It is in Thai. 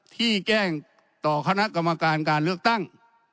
ที่แจ้งต่อคณะกรรมการการเลือกตั้ง